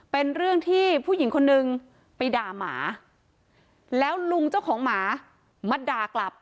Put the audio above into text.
เป็นเรื่องที่ผู้หญิงคนนึงไปด่าหมาแล้วลุงเจ้าของหมามาด่ากลับ